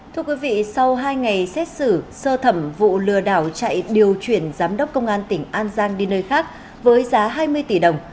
thưa quý vị sau hai ngày xét xử sơ thẩm vụ lừa đảo chạy điều chuyển giám đốc công an tỉnh an giang đi nơi khác với giá hai mươi tỷ đồng